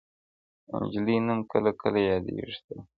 نجلۍ نوم کله کله يادېږي تل-